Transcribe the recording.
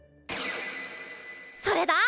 それだ！